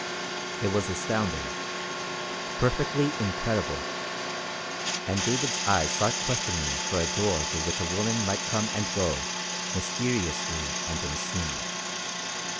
It was astounding. Perfectly incredible. And David's eyes sought questingly for a door through which a woman might come and go mysteriously and unseen.